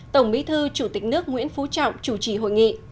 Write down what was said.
tổng bí thư chủ tịch nước nguyễn phú trọng chủ trì hội nghị